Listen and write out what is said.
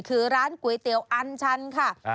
คือร้านก๋วยเตี๋ยวอันชันค่ะ